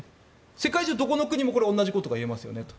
世界中どこの国も同じことが言えますよねと。